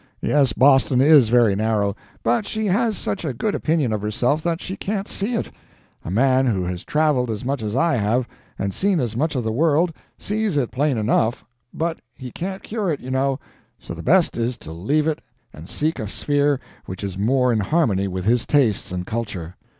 Yes, Boston is very narrow, but she has such a good opinion of herself that she can't see it. A man who has traveled as much as I have, and seen as much of the world, sees it plain enough, but he can't cure it, you know, so the best is to leave it and seek a sphere which is more in harmony with his tastes and culture.